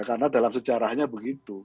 karena dalam sejarahnya begitu